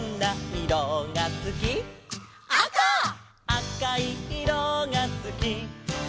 「あかいいろがすき」